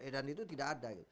dan itu tidak ada